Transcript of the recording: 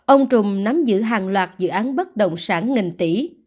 ông trùm nắm giữ hàng loạt dự án bất động sản nghìn tỷ